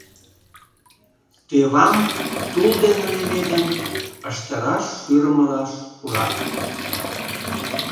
Тӧвам, тул дене леведын, ыштыраш шӱрымыла шурат.